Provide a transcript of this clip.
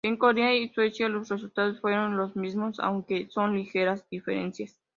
En Corea y Suecia, los resultados fueron los mismos, aunque con ligeras diferencias.